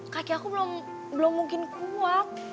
kaki aku belum mungkin kuat